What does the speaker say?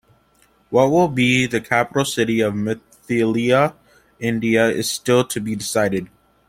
What will be the capital city of Mithila, India is still to be decided.